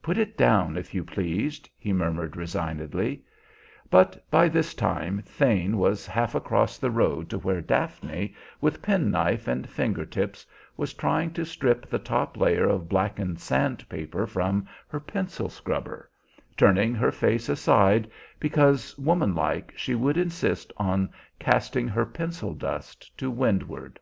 "Put it down, if you please," he murmured resignedly. But by this time Thane was half across the road to where Daphne, with penknife and finger tips, was trying to strip the top layer of blackened sandpaper from her pencil scrubber; turning her face aside, because, woman like, she would insist on casting her pencil dust to windward.